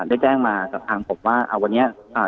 ได้แจ้งมากับทางผมว่าอ่าวันนี้อ่า